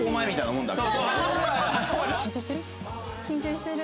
緊張してる？